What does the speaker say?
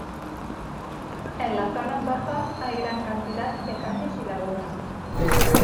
En las zonas bajas hay gran cantidad de caños y lagunas.